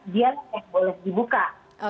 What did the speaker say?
dia yang boleh dibuka